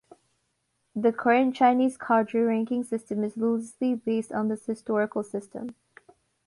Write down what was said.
The current Chinese cadre ranking system is loosely based on this historical system.